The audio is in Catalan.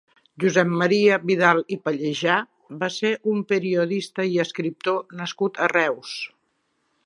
Josep Maria Vidal i Pallejà va ser un periodista i escriptor nascut a Reus.